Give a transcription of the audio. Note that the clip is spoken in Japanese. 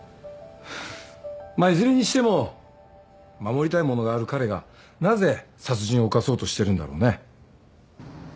まあいずれにしても守りたいものがある彼がなぜ殺人を犯そうとしてるんだろうね？